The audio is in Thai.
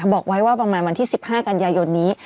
บอกไว้ว่าประมาณวันที่๑๕กันยายนนี้